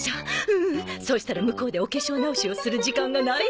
ううんそうしたら向こうでお化粧直しをする時間がないわ